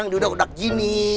emang duduk gini